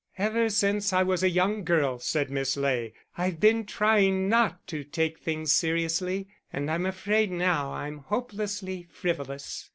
"Ever since I was a young girl," said Miss Ley, "I've been trying not to take things seriously, and I'm afraid now I'm hopelessly frivolous."